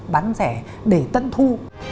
bán rẻ để tân thu